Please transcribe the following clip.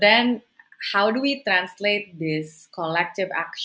menjelaskan tindakan kolektif ini